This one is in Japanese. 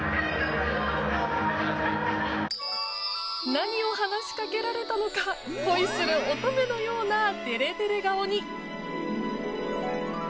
何を話しかけられたのか恋する乙女のようなデレデレ顔に。